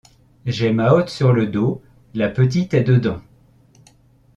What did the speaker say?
J’ai ma hotte sur le dos, la petite est dedans.